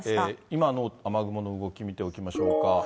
今の雨雲の動き見ておきましょうか。